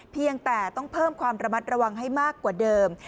เพียงแต่ต้องเพิ่มความระมัดระวังให้มากกว่าเดิม